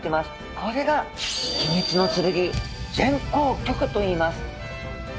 これが秘密の剣前向棘といいます。